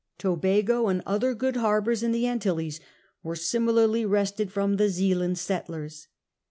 Tobago and other good harbours in the Antilles were similarly wrested from the Zealand settlers.